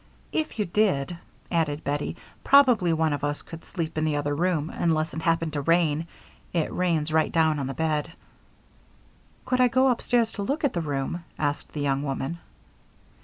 "If you did," added Bettie, "probably one of us could sleep in the other room unless it happened to rain it rains right down on the bed." "Could I go upstairs to look at the room?" asked the young woman.